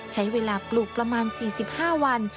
ใช้เวลาปลูกประมาณ๔๕วัน